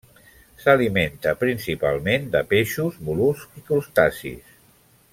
S'alimenta principalment de peixos, mol·luscs i crustacis.